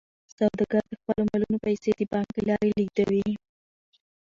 سوداګر د خپلو مالونو پیسې د بانک له لارې لیږدوي.